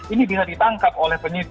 ini bisa ditangkap oleh penyidik